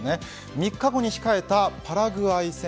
３日後に控えたパラグアイ戦。